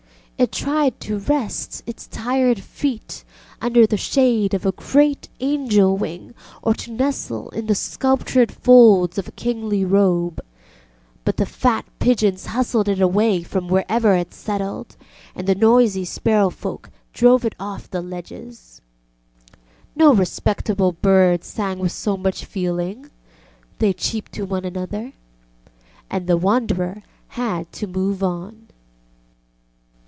It tried to rest its tired feet under the shade of a great angel wing or to nestle in the sculptured folds of a kingly robe, but the fat pigeons hustled it away from wherever it settled, and the noisy sparrow folk drove it off the ledges. No respectable bird sang with so much feeling, they cheeped one to another, and the wanderer had to move on.